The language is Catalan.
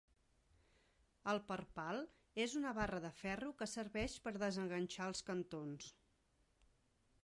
El perpal és una barra de ferro que serveix per desenganxar els cantons.